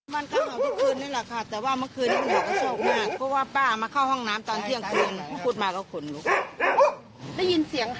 มันก็เห่าทุกคืนนี่ล่ะค่ะแต่ว่าเมื่อคืนนี้มันเห่าก็โชคด้วยค่ะ